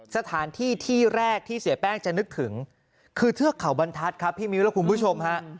สถานที่ที่แรกที่เสียแป้งจะนึกถึงคือเทือกเขาบรรทัศน์ครับพี่มิ้วและคุณผู้ชมฮะ